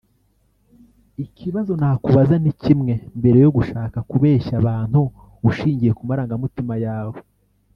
Ikibazo nakubaza ni kimwe mbere yo gushaka kubeshya abantu ushingiye ku marangamutima yawe